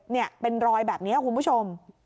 เนี่ยเป็นรอยแบบนี้คุณผู้ชม